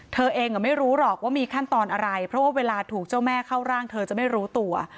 เธอเองไม่รู้หรอกว่ามีขั้นตอนอะไรเพราะว่าเวลาถูกเจ้าแม่เข้าร่างเธอจะไม่รู้ตัว